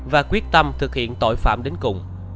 và quyết tâm thực hiện tội phạm đến cùng